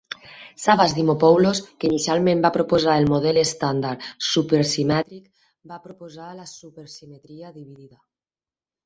Savas Dimopoulos, que inicialment va proposar el model estàndard supersimètric, va proposar la supersimetria dividida.